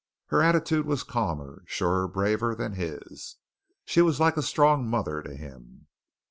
Her attitude was calmer, surer, braver, than his. She was like a strong mother to him.